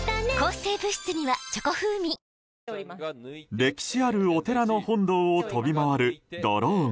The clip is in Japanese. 歴史あるお寺の本堂を飛び回るドローン。